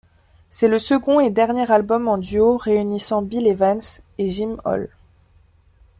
C'est le second et dernier album en duo réunissant Bill Evans et Jim Hall.